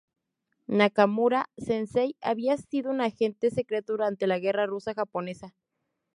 Nakamura Sensei había sido un agente secreto durante la guerra Ruso-Japonesa.